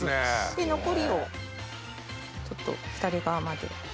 で残りをちょっと左側まで。